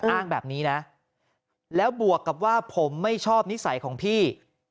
อ้างแบบนี้นะแล้วบวกกับว่าผมไม่ชอบนิสัยของพี่